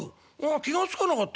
気が付かなかったね。